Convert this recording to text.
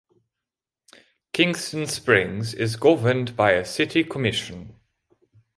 Kingston Springs is governed by a city commission.